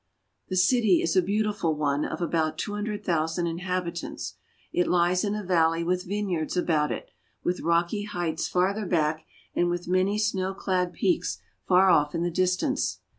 The city is a beautiful one of about two hundred thousand inhabitants. It lies in a valley with vineyards about it, with rocky heights farther back, and with many snow clad peaks far off in the distance.